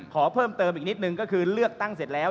ขอเพิ่มเติมอีกนิดนึงก็คือเลือกตั้งเสร็จแล้ว